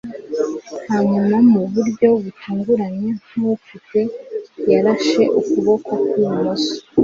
hanyuma, mu buryo butunguranye nkuwufite yarashe ukuboko kwi bumoso